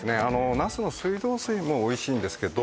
那須の水道水もおいしいんですけど